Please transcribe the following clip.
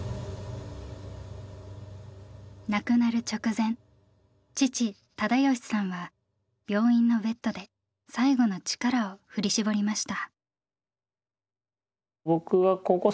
亡くなる直前父忠喜さんは病院のベッドで最後の力を振り絞りました。